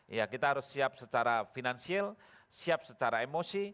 ya kita harus siap secara finansial siap secara emosi